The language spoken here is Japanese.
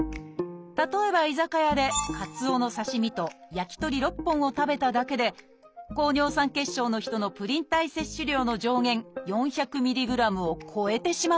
例えば居酒屋でかつおの刺身と焼き鳥６本を食べただけで高尿酸血症の人のプリン体摂取量の上限４００ｍｇを超えてしまうんです。